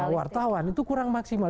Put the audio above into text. wartawan itu kurang maksimal